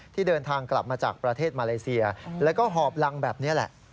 เดินทางกลับมาจากประเทศมาเลเซียแล้วก็หอบรังแบบนี้แหละ